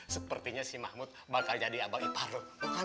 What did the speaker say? sepertinya si mahmud bakal jadi abang ipar